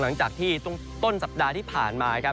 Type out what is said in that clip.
หลังจากที่ต้นสัปดาห์ที่ผ่านมาครับ